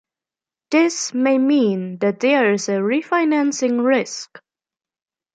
This may mean that there is a refinancing risk.